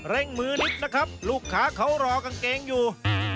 มือนิดนะครับลูกค้าเขารอกางเกงอยู่